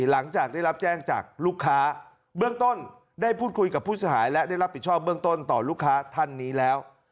หลังจากได้รับแจ้งจากลูกค้าเบื้องต้นได้พูดคุยกับผู้เสียหายและได้รับผิดชอบเบื้องต้นต่อลูกค้าท่านนี้แล้ว